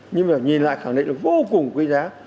nhưng mà nhìn lại khẳng định là vô cùng quý giá